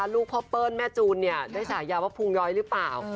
เจ้าเปิ้ลแม่จูนได้สายยาวว่าภูมิย้อยหรือเปล่า